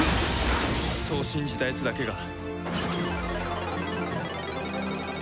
そう信じたやつだけが。